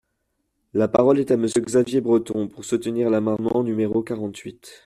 La parole est à Monsieur Xavier Breton, pour soutenir l’amendement numéro quarante-huit.